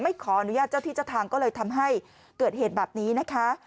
ขออนุญาตเจ้าที่เจ้าทางก็เลยทำให้เกิดเหตุแบบนี้นะคะ